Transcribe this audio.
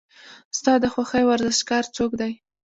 ستا د خوښې ورزشکار څوک دی؟